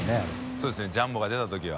そうですね「ジャンボ」が出た時は。